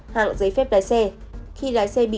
hạng giấy phép lái xe